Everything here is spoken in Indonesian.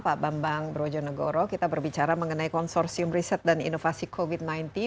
pak bambang brojonegoro kita berbicara mengenai konsorsium riset dan inovasi covid sembilan belas